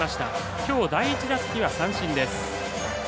きょう第１打席は三振です。